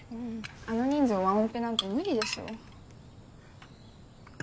あの人数をワンオペなんて無理でしょ。